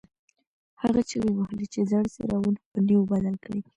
هغه چیغې وهلې چې زاړه څراغونه په نویو بدل کړئ.